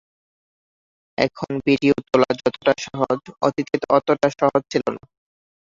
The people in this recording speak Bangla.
এখন ভিডিও তোলা যতটা সহজ অতীতে অতটা সহজ ছিল না।